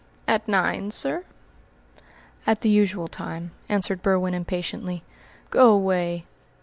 "At nine, sir?" "At the usual time," answered Berwin impatiently. "Go away!"